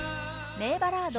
名バラード